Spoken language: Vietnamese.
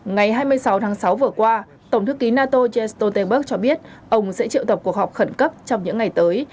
ngày hai mươi sáu tháng sáu vừa qua tổng thư ký nato jens stoltenberg cho biết ông sẽ triệu tập cuộc họp khẩn cấp trong những ngày tới